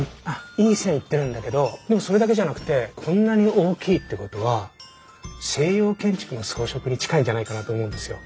いい線いってるんだけどでもそれだけじゃなくてこんなに大きいってことは西洋建築の装飾に近いんじゃないかなと思うんですよ。